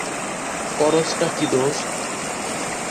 করছটা কি দোস্ত?